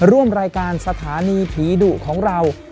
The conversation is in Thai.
ร่วมรายการสถานีผีดุของเรา